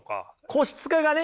個室化がね